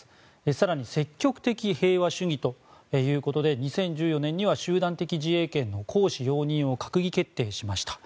更に積極的平和主義ということで２０１４年には集団的自衛権の行使容認を閣議決定しました。